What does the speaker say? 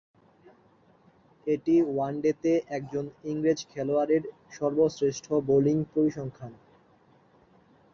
এটি ওয়ানডেতে একজন ইংরেজ খেলোয়াড়ের সর্বশ্রেষ্ঠ বোলিং পরিসংখ্যান।